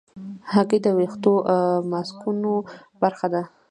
هګۍ د ویښتو ماسکونو برخه ده.